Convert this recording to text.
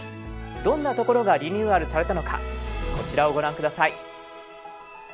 どんなところがリニューアルされたのかこちらをご覧下さい。